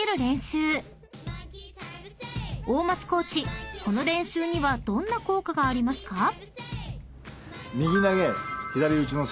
［大松コーチこの練習にはどんな効果がありますか？］